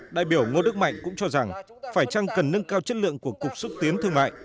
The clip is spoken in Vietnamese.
đại biểu ngô đức mạnh cũng cho rằng phải chăng cần nâng cao chất lượng của cục xúc tiến thương mại